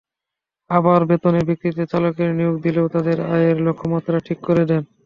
আবার বেতনের ভিত্তিতে চালক নিয়োগ দিলেও তাঁদের আয়ের লক্ষ্যমাত্রা ঠিক করে দেন।